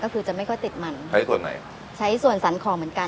ก็คือจะไม่ค่อยติดมันใช้ส่วนไหนใช้ส่วนสรรคอเหมือนกัน